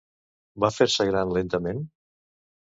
Va fer-se gran lentament?